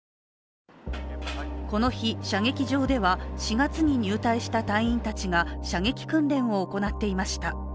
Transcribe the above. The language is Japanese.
この日、射撃場では４月に入隊した隊員たちが射撃訓練を行っていました。